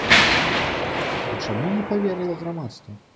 І чаму не паверыла грамадства?